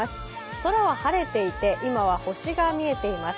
空は晴れていて今は星が見えています。